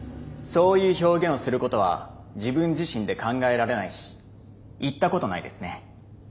そういう表現をすることは自分自身で考えられないし言ったことないですね。